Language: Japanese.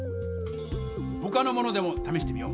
ほかのものでもためしてみよう！